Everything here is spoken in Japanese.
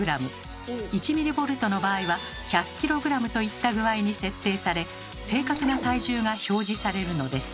１ｍＶの場合は１００ｋｇといった具合に設定され正確な体重が表示されるのです。